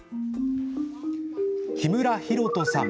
木村広人さん。